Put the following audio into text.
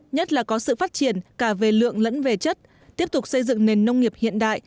nhất là có sự phát triển cả về lượng lẫn về chất tiếp tục xây dựng nền nông nghiệp hiện đại